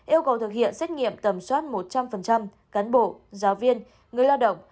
yêu cầu thực hiện xét nghiệm tầm soát một trăm linh cán bộ giáo viên người lao động